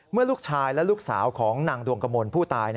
เมื่อลูกชายและลูกสาวของนางดวงกมลผู้ตาย